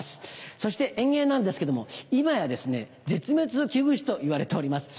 そして演芸なんですけども今や絶滅危惧種といわれております。